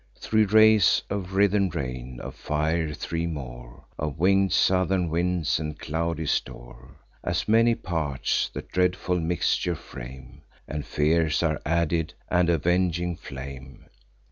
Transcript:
Three rays of writhen rain, of fire three more, Of winged southern winds and cloudy store As many parts, the dreadful mixture frame; And fears are added, and avenging flame.